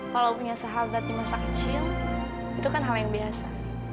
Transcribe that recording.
kalau punya sahabat di masa kecil itu kan hal yang biasa